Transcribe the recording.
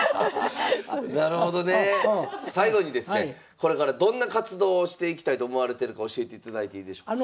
これからどんな活動をしていきたいと思われてるか教えていただいていいでしょうか？